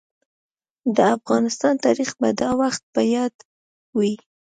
د افغانستان تاريخ به دا وخت په ياد وي.